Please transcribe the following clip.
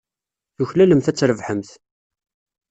Tuklalemt ad trebḥemt.